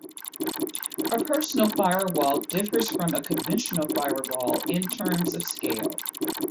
A personal firewall differs from a conventional firewall in terms of scale.